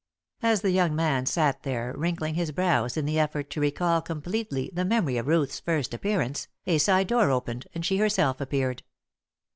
As the young man sat there wrinkling his brows in the effort to recall completely the memory of Ruth's first appearance, a side door opened and she herself appeared.